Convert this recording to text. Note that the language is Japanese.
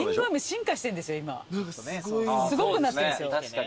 すごくなってんですよ。